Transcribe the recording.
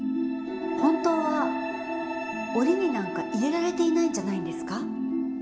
本当は檻になんか入れられていないんじゃないんですか？